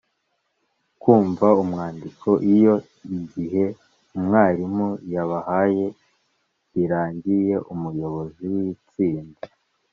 kumva umwandiko. Iyo igihe umwarimu yabahaye kirangiye umuyobozi w’itsinda